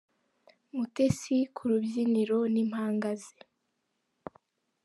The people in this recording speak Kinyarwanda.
Mutesi ku rubyiniro n’impanga ze